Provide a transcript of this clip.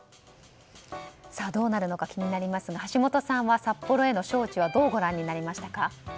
どうなるのか気になりますが橋下さんは札幌への招致はどうご覧になりましたか？